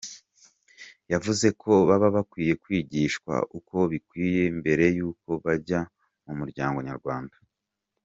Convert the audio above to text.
Yavuze ko baba bakwiye kwigishwa uko bikwiye mbere y’uko bajya mu muryango nyarwanda.